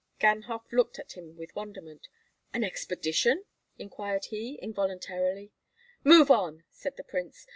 Ganhoff looked on him with wonderment. "An expedition?" inquired he, involuntarily. "Move on!" said the prince.